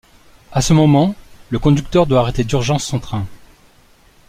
À ce moment, le conducteur doit arrêter d'urgence son train.